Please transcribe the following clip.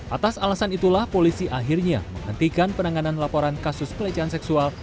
atas alasan itulah polisi akhirnya menghentikan penanganan laporan kasus pelecehan seksual